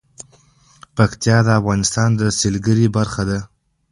پکتیا د افغانستان د سیلګرۍ برخه ده.